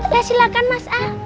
ya silahkan mas al